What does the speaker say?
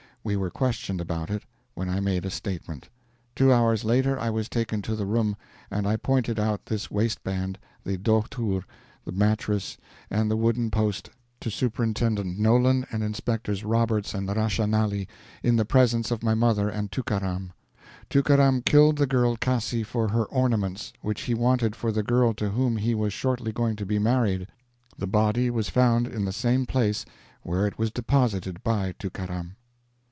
We were questioned about it, when I made a statement. Two hours later I was taken to the room, and I pointed out this waistband, the 'dhotur', the mattress, and the wooden post to Superintendent Nolan and Inspectors Roberts and Rashanali, in the presence of my mother and Tookaram. Tookaram killed the girl Cassi for her ornaments, which he wanted for the girl to whom he was shortly going to be married. The body was found in the same place where it was deposited by Tookaram."